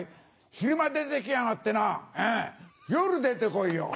「昼間出て来やがってな夜出て来いよ」。